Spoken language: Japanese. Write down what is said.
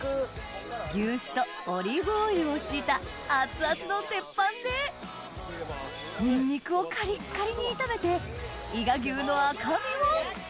牛脂とオリーブオイルを敷いた熱々の鉄板でニンニクをカリッカリに炒めて伊賀牛の赤身を！